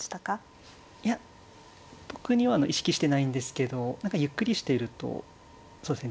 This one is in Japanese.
いや特には意識してないんですけど何かゆっくりしてるとそうですね